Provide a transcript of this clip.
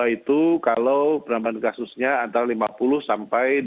itu kalau penambahan kasusnya antara lima puluh sampai dua puluh